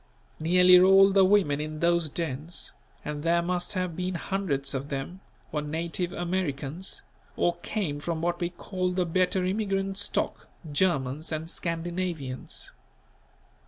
Nearly all the women in those dens, and there must have been hundreds of them, were native Americans, or came from what we call the better immigrant stock, Germans and Scandinavians.